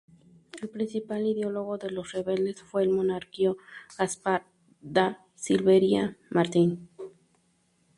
El principal ideólogo de los rebeldes fue el monárquico Gaspar da Silveira Martins.